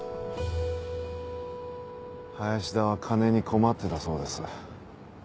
林田は金に困ってたそうです。